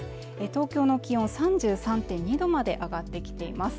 東京の気温３３．２度まで上がってきています